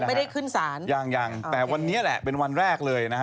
ไม่ได้ขึ้นศาลยังยังแต่วันนี้แหละเป็นวันแรกเลยนะฮะ